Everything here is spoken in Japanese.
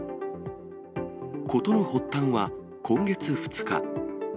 ことの発端は、今月２日。